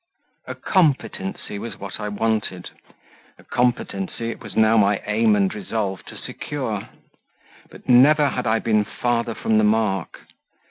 A COMPETENCY was what I wanted; a competency it was now my aim and resolve to secure; but never had I been farther from the mark.